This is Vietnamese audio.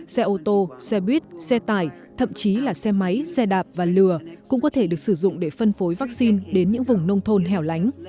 xe ô tô xe buýt xe tải thậm chí là xe máy xe đạp và lừa cũng có thể được sử dụng để phân phối vaccine đến những vùng nông thôn hẻo lánh